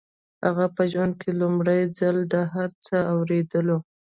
هغه په ژوند کې لومړي ځل هر څه واورېدل.